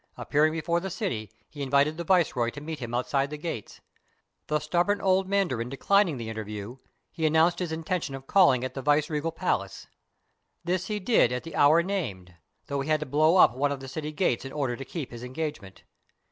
Appearing before the city, he invited the viceroy to meet him outside the gates. The stubborn old mandarin declining the interview, he announced his in tention of calling at the vice regal palace. This he did 199 CHINA at the hour named, though he had to blow up one of the city gates in order to keep his engagement.